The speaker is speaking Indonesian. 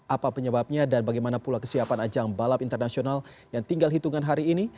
apa penyebabnya dan bagaimana pula kesiapan ajang balap internasional yang tinggal hitungan hari ini